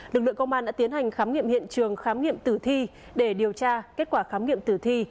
lực lượng công an đã tiến hành khám nghiệm hiện trường khám nghiệm tử thi để điều tra kết quả khám nghiệm tử thi